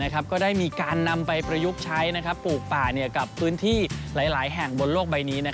ก็ได้มีการนำไปประยุกต์ใช้ปลูกป่ากับพื้นที่หลายแห่งบนโลกใบนี้